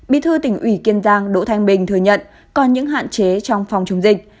bí thư tỉnh ủy kiên giang đỗ thanh bình thừa nhận còn những hạn chế trong phòng chống dịch